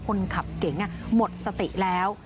คนขับเก๋งหมดสติแล้ว